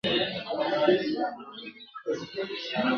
مقابل طرف ته د قناعت ورکولو لپاره له هري ذريعې څخه استفاده کوي.